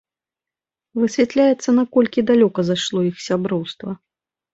Высвятляецца, наколькі далёка зайшло іх сяброўства.